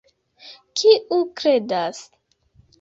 Kiu kredas?